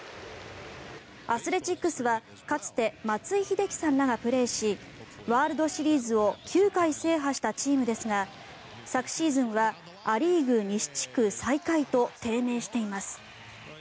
アスレチックスはかつて松井秀喜さんらがプレーしワールドシリーズを９回制覇したチームですが昨シーズンはア・リーグ西地区最下位と低迷しています。